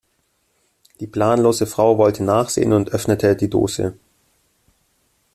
Die planlose Frau wollte nachsehen und öffnete die Dose.